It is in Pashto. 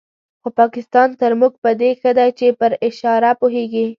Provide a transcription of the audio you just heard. خو پاکستان تر موږ په دې ښه دی چې پر اشاره پوهېږي.